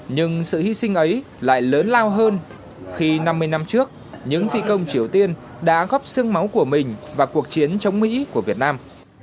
nhưng sự hy sinh ấy lại lớn lao hơn khi năm mươi năm trước những phi công triều tiên đã góp sưng máu của mình vào cuộc chiến chống mỹ của việt nam